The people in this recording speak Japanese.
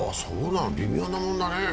微妙なもんだね。